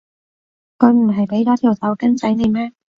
佢唔係畀咗條手巾仔你咩？